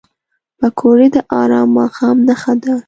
پکورې د ارام ماښام نښه ده